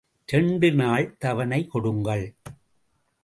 இரண்டு நாள் தவணை கொடுங்கள்.